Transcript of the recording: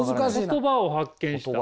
言葉を発見した？